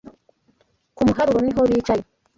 Ku muharuro niho bicaye